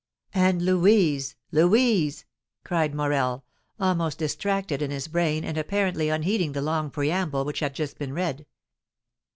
"And Louise! Louise!" cried Morel, almost distracted in his brain, and apparently unheeding the long preamble which had just been read.